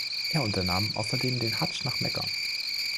Er unternahm außerdem den Haddsch nach Mekka.